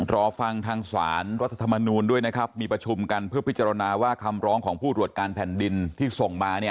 รอฟังทางสารรัฐธรรมนูลด้วยนะครับมีประชุมกันเพื่อพิจารณาว่าคำร้องของผู้ตรวจการแผ่นดินที่ส่งมาเนี่ย